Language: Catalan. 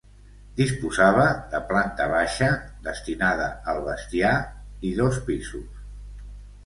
Disposava de planta baixa -destinada al bestiar- i dos pisos.